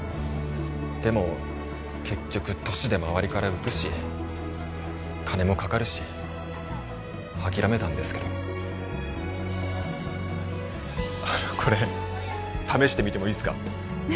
でも結局年で周りから浮くし金もかかるし諦めたんですけどあのこれ試してみてもいいっすか？